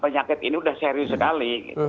penyakit ini sudah serius sekali